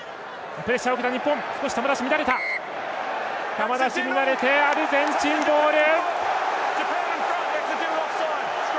球出し乱れてアルゼンチン、ボール！